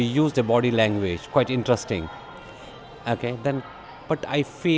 chúng tôi đã dùng ngôn ngữ trong trường hợp rất thú vị